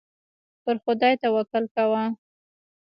پر خدای توکل کوه.